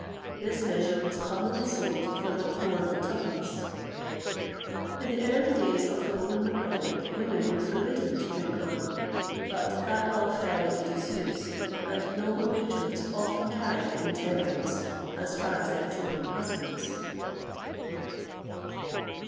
This measure was commonly sold for not more than twopence.[XXVIII 135] In the early days of the Roman republic women were forbidden to drink wine;[XXVIII 136] but that law fell into disuse, and noble matrons often carried intemperance as far as their toping husbands.